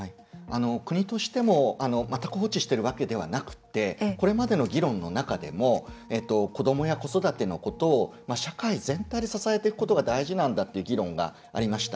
国としても全く放置してるわけではなくてこれまでの議論の中でも子どもや子育てのことを社会全体で支えていくことが大事なんだっていう議論がありました。